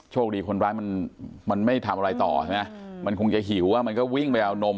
คนร้ายมันไม่ทำอะไรต่อใช่ไหมมันคงจะหิวมันก็วิ่งไปเอานม